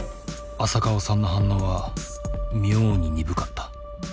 浅川さんの反応は妙に鈍かった。